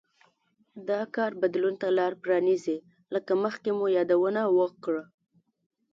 دا کار بدلون ته لار پرانېزي لکه مخکې مو یادونه وکړه